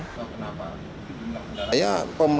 jika tidak ada peningkatan kualitas pelayanan